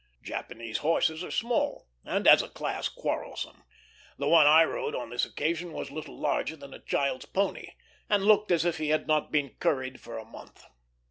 Japanese horses are small, and as a class quarrelsome; the one I rode on this occasion was little larger than a child's pony, and looked as if he had not been curried for a month.